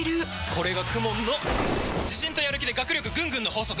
これがＫＵＭＯＮの自信とやる気で学力ぐんぐんの法則！